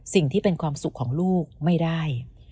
สิ่งที่เป็นความสุขของลูกไม่ได้